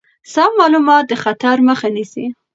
سم معلومات د خطر مخه نیسي.